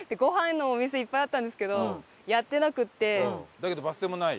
だけどバス停もない？